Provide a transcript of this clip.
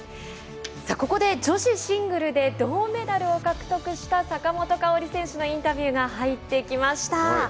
ここで女子シングルで銅メダルを獲得した坂本花織選手のインタビューが入ってきました。